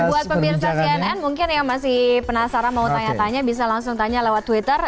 buat pemirsa cnn mungkin yang masih penasaran mau tanya tanya bisa langsung tanya lewat twitter